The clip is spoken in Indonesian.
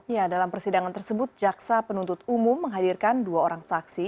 ya dalam persidangan tersebut jaksa penuntut umum menghadirkan dua orang saksi